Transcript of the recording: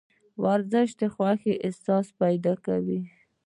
ورزش د خوښې احساس پیدا کوي.